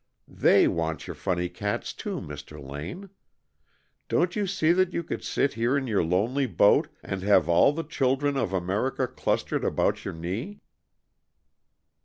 They want your 'funny cats,' too, Mr. Lane. Don't you see that you could sit here in your lonely boat, and have all the children of America clustered about your knee?"